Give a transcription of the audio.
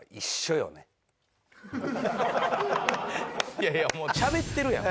いやいやもうしゃべってるやん。